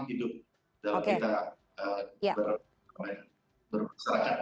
hidup dalam kita berpeserakan